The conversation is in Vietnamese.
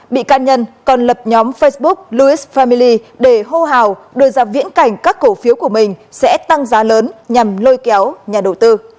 bị can nhân còn lập nhóm facebook louis family để hô hào đưa ra viễn cảnh các cổ phiếu của mình sẽ tăng giá lớn nhằm lôi kéo nhà đầu tư